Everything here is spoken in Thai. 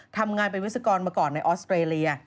ทำงานเป็นวิศกรมาก่อนในออสเตรเลีย